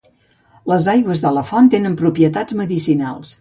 Les aigües de la font tenen propietats medicinals.